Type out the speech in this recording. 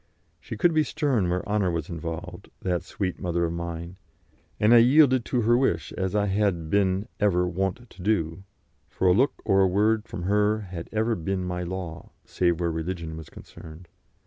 She could be stern where honour was involved, that sweet mother of mine, and I yielded to her wish as I had been ever wont to do, for a look or a word from her had ever been my law, save where religion was concerned.